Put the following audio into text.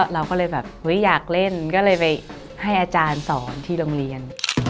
เราก็เลยแบบอยากเล่นก็เลยไปให้อาจารย์สอนที่โรงเรียน